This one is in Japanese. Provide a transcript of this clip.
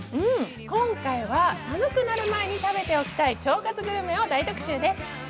今回は寒くなる前に食べておきたい腸活グルメを大特集です。